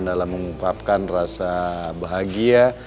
dalam mengupapkan rasa bahagia